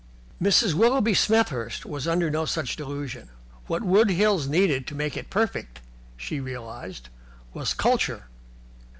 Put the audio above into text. Mrs. Willoughby Smethurst was under no such delusion. What Wood Hills needed to make it perfect, she realized, was Culture.